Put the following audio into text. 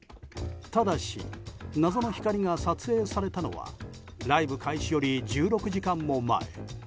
ただし、謎の光が撮影されたのはライブ開始より１６時間も前。